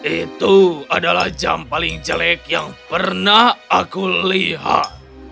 itu adalah jam paling jelek yang pernah aku lihat